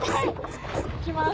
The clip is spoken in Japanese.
行きます。